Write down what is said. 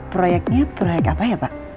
proyeknya proyek apa ya pak